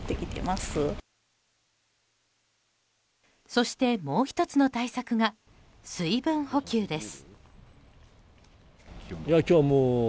そして、もう１つの対策が水分補給です。